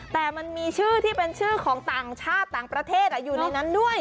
แต่มันมีชื่อที่เป็นชื่อของต่างชาติต่างประเทศอยู่ในนั้นด้วย